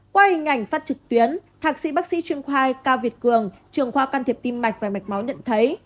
qua hình ảnh phát trực tuyến thạc sĩ bác sĩ chuyên khoai cao việt cường trường khoa can thiệp tim mạch và mạch máu nhận thấy